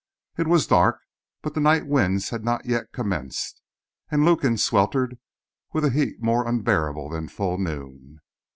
It was dark, but the night winds had not yet commenced, and Lukin sweltered with a heat more unbearable than full noon.